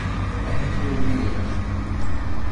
Andrew Miller